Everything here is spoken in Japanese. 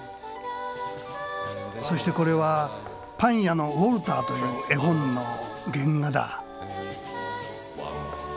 そしてこれは「パン屋のウォルター」という絵本の原画だ。